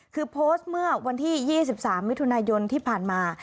คือโพสต์เมื่อวันที่๒๓มิถุนายนที่ผ่านมา